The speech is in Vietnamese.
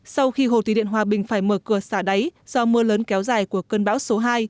sau khi hồ thủy điện hòa bình phải mở cửa xả đáy do mưa lớn kéo dài của cơn bão số hai